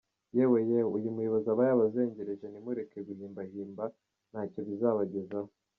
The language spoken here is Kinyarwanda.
Yewe yewe, uyu muyobozi aba yabazengereje nimureke guhimba himba ntacyo bizabagezaho.